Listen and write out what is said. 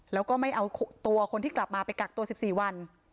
แล้วก็ไม่เอาตัวคนที่กลับมาไปกักตัว๑๔วัน